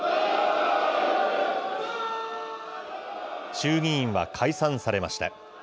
衆議院は解散されました。